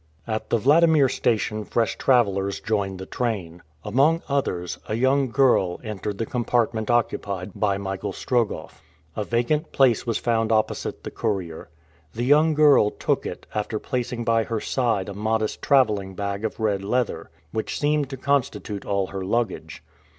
At the Wladimir station fresh travelers joined the train. Among others, a young girl entered the compartment occupied by Michael Strogoff. A vacant place was found opposite the courier. The young girl took it, after placing by her side a modest traveling bag of red leather, which seemed to constitute all her luggage.